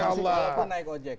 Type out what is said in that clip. walaupun naik ojek